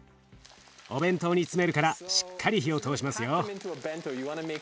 お弁当に詰めるからしっかり火を通しますよ。